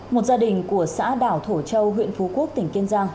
một gia đình của xã đảo thổ châu huyện phú quốc tỉnh kiên giang